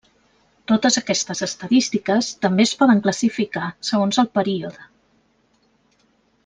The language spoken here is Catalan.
Totes aquestes estadístiques també es poden classificar segons el període.